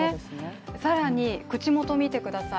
更に口元を見てください。